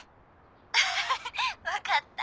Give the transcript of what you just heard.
アハハハ分かった。